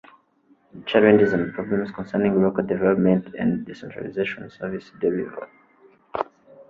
challenges and problems concerning local development and decentralization service delivery